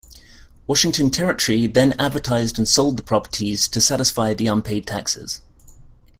Washington Territory then advertised and sold the properties to satisfy the unpaid taxes.